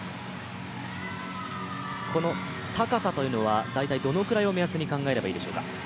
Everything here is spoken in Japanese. この高さというのは大体どのぐらいを目安に考えればいいでしょうか。